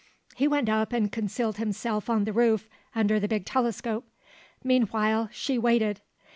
He went up and concealed himself on the roof under the big telescope. Meanwhile she waited.